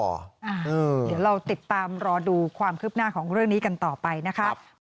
เดี๋ยวเราติดตามรอดูความคืบหน้าของเรื่องนี้กันต่อไปนะคะ